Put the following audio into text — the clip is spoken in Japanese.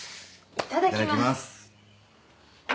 いただきます。